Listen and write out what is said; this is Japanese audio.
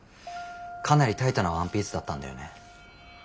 かなりタイトなワンピースだったんだよね。